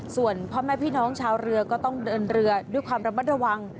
ส่วนพ่อแม่พี่น้องชาวเรือก็ต้องเดินเรือด้วยความระมัดระวัง